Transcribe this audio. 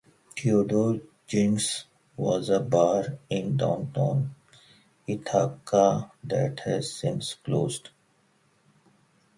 "Theodore Zinck's" was a bar in downtown Ithaca that has since closed.